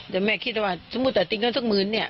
เดี๋ยวแม่คิดว่าสมมุติแต่ติดเงินสักหมื่นเนี่ย